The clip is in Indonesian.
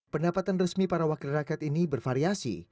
pendapatan resmi para wakil rakyat ini bervariasi